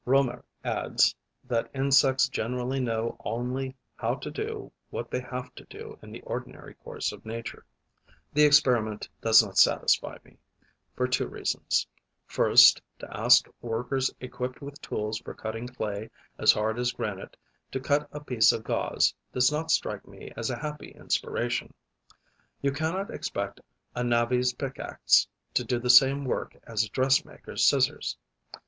Reaumur adds that insects generally know only how to do what they have to do in the ordinary course of nature. The experiment does not satisfy me, for two reasons: first, to ask workers equipped with tools for cutting clay as hard as granite to cut a piece of gauze does not strike me as a happy inspiration; you cannot expect a navvy's pick axe to do the same work as a dressmaker's scissors.